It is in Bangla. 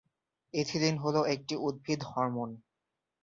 ইথিলিন হল একটি উদ্ভিদ হরমোন।